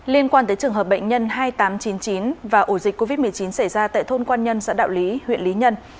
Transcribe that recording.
liên quan tới trường hợp bệnh nhân hai nghìn tám trăm chín mươi chín và ổ dịch covid một mươi chín xảy ra tại thôn quan nhân xã đạo lý huyện lý nhân